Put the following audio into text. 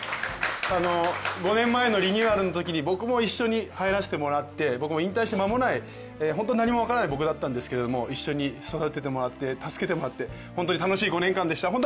５年前のリニューアルのときに僕も一緒に入らせてもらって僕も引退して間もない、本当に何も分からない僕だったんですけど一緒に育ててもらって助けてもらって本当に楽しい５年間でした。